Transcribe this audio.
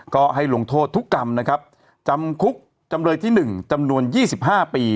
ก็ให้ลงโทษทุกกรรมนะครับจำคุกจำเลยที่๑จำนวน๒๕ปี